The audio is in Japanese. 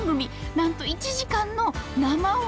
なんと１時間の生放送！